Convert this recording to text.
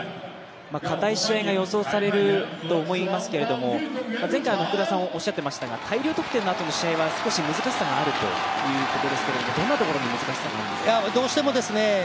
かたい試合が予想されると思いますけれども、前回福田さんおっしゃってましたが大量得点のあとの試合は、少し難しさがあるということですがどんなところに難しさがあるんですか？